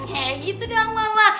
hei gitu dong mama